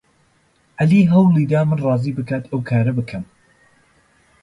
عەلی هەوڵی دا من ڕازی بکات ئەو کارە بکەم.